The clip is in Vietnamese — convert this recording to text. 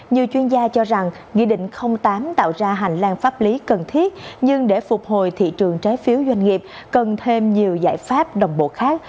nhiều chuyên gia cho rằng nghị định tám tạo ra hành lang pháp lý cần thiết nhưng để phục hồi thị trường trái phiếu doanh nghiệp cần thêm nhiều giải pháp đồng bộ khác